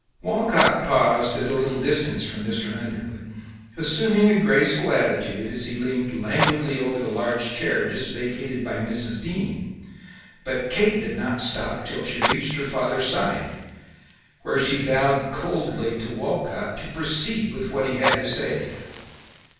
Walcott paused at a little distance from Mr. Underwood, assuming a graceful attitude as he leaned languidly over the large chair just vacated by Mrs. Dean, but Kate did not stop till she reached her father's side, where she bowed coldly to Walcott to proceed with what he had to say.